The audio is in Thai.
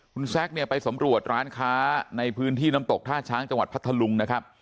คุณแซคเนี่ยไปสำรวจร้านค้าในพื้นที่น้ำตกท่าช้างจังหวัดพัทธลุงนะครับ